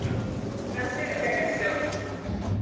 Nace "Regresión".